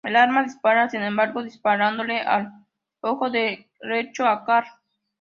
El arma dispara, sin embargo, disparándole al ojo derecho a Carl.